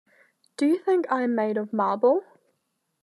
Do you think I am made of marble?